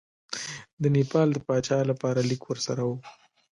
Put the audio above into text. د نیپال د پاچا لپاره لیک ورسره وو.